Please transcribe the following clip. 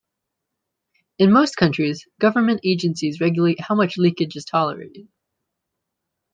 In most countries, government agencies regulate how much leakage is tolerated.